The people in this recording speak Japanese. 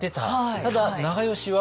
ただ長慶は。